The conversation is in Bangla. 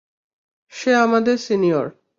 সে আমাদের সিনিয়র।